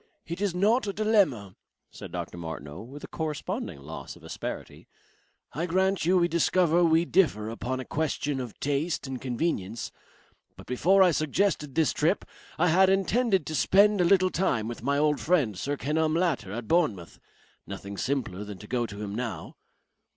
"It is not a dilemma," said Dr. Martineau, with a corresponding loss of asperity. "I grant you we discover we differ upon a question of taste and convenience. But before I suggested this trip, I had intended to spend a little time with my old friend Sir Kenelm Latter at Bournemouth. Nothing simpler than to go to him now...."